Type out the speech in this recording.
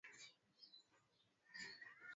Idadi kubwa ya Waturuki wanaishi Irani na Afghanistan